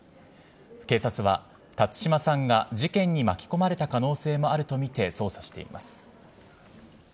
警察は、辰島さんが事件に巻き込まれた可能性もあると見て捜査しています。